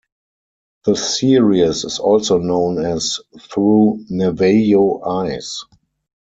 The series is also known as "Through Navajo Eyes".